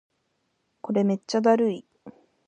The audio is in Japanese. これめっちゃだるい